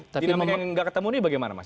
dinamika yang nggak ketemu ini bagaimana mas